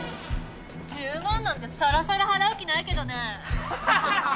１０万なんてさらさら払う気ないけどね。